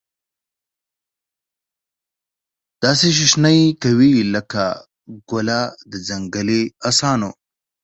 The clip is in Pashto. داسي شیشنی کوي لکه ګله د ځنګلې اسانو